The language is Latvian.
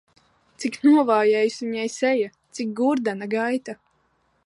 Cik novājējusi viņa seja, cik gurdena gaita!